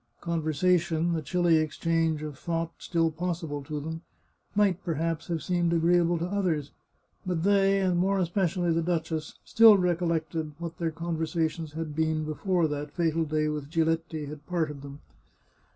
Conversation, the chilly ex change of thought still possible to them, might, perhaps, have seemed agreeable to others. But they, and more espe cially the duchess, still recollected what their conversations had been before that fatal fray with Giletti had parted them.